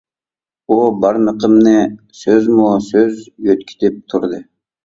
ئۇ بارمىقىمنى سۆزمۇ سۆز يۆتكىتىپ تۇردى.